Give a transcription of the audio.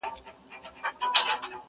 څلورم وازه خوله حیران وو هیڅ یې نه ویله!!